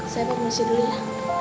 saya berusaha dulu ya